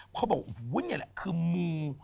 เขาบอกวันนี้แหละคือมู